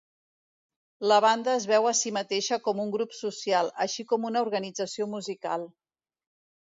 La banda es veu a si mateixa com un grup social, així com una organització musical.